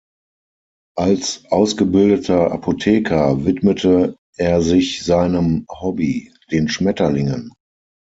Als ausgebildeter Apotheker widmete er sich seinem Hobby, den Schmetterlingen.